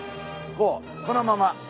こうこのまま。